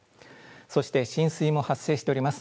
そして浸水も発生しております。